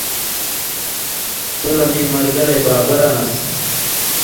سو لہ مِیں مَرگَلئ بابر آن٘س،